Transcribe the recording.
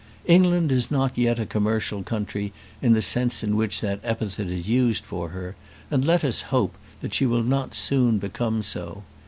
England is not yet a commercial country in the sense in which that epithet is used for her; and let us still hope that she will not soon become so.